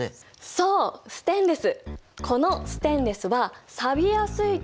そうステンレス。